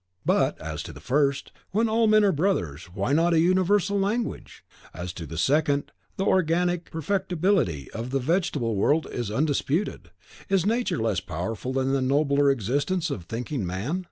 But as to the first, when all men are brothers, why not a universal language? As to the second, the organic perfectibility of the vegetable world is undisputed, is Nature less powerful in the nobler existence of thinking man?